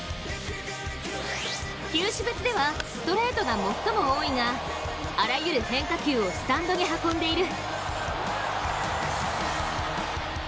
球種別ではストレートが最も多いがあらゆる変化球をスタンドに運んでいる。